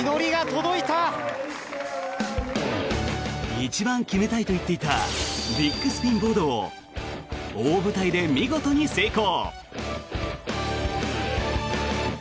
一番決めたいと言っていたビッグスピンボードを大舞台で見事に成功。